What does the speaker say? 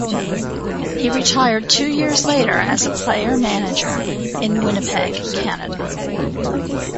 He retired two years later as a player-manager in Winnipeg, Canada.